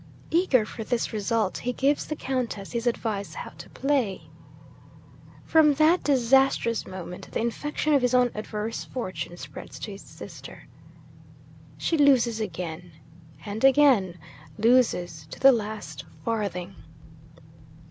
Eager for this result, he gives the Countess his advice how to play. From that disastrous moment the infection of his own adverse fortune spreads to his sister. She loses again, and again loses to the last farthing.